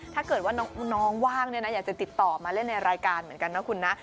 ถ้าเกิดว่าน้องว่างเนี่ยนะอยากจะติดต่อมาเล่นในรายการเหมือนกันนะคุณนะ